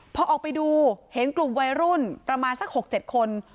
พอออกไปดูเห็นกลุ่มวัยรุ่นประมาณสัก๖๗คน